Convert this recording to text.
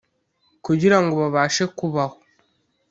kugira ngo babashe kubaho.